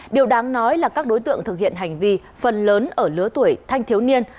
điều đáng nói là các đối tượng thực hiện hành vi phần lớn ở lứa tuổi thanh thiếu niên